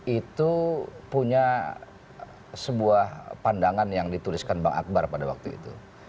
itu punya sebuah pandangan yang dituliskan bang akbar pada waktu itu